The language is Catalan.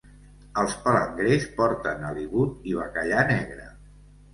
Els palangrers porten halibut i bacallà negre.